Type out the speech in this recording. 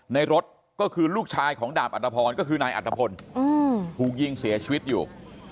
ในรถก็คือลูกชายของดาบอัตภพรก็คือนายอัตภพลถูกยิงเสียชีวิตอยู่